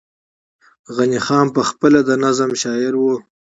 غني خان پخپله د نظم شاعر وو